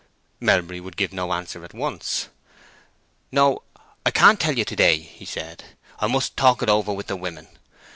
Melbury would give no answer at once. "No, I can't tell you to day," he said. "I must talk it over with the women.